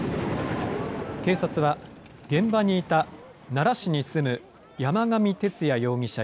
警察は現場にいた奈良市に住む山上徹也容疑者